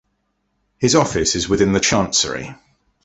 His office is within the "chancery".